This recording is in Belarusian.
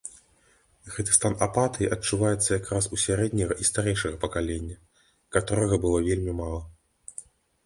Гэты стан апатыі адчуваецца якраз у сярэдняга і старэйшага пакалення, каторага было вельмі мала.